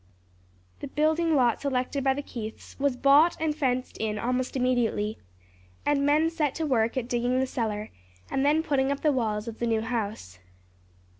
The building lot selected by the Keiths was bought and fenced in almost immediately, and men set to work at digging the cellar, and then putting up the walls of the new house.